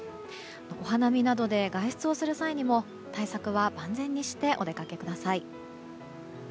お花見などで外出をする際にも対策は万全にしてお出かけください。